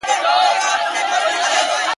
دواړه هيلې او وېره په فضا کي ګډېږي,